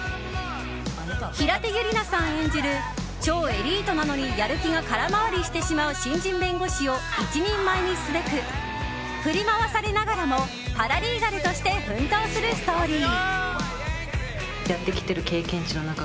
平手友梨奈さん演じる超エリートなのにやる気が空回りしてしまう新人弁護士を一人前にすべく振り回されながらもパラリーガルとして奮闘するストーリー。